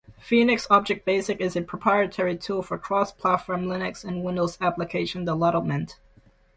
Phoenix Object Basic is a proprietary tool for cross-platform Linux and Windows application development.